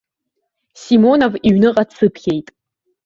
Симонов иҩныҟа дсыԥхьеит.